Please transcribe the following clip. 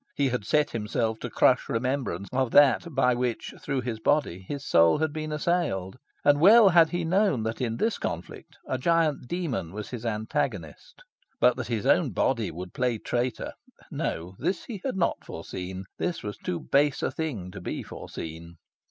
He had set himself to crush remembrance of that by which through his body his soul had been assailed. And well had he known that in this conflict a giant demon was his antagonist. But that his own body would play traitor no, this he had not foreseen. This was too base a thing to be foreseen.